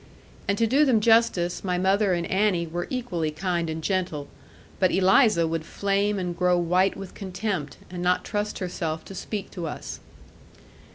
And to do them justice, my mother and Annie were equally kind and gentle, but Eliza would flame and grow white with contempt, and not trust herself to speak to us.